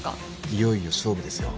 いよいよ勝負ですよ。